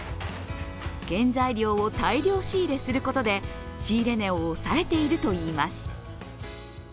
原材料を大量仕入れすることで仕入れ値を抑えているといいます。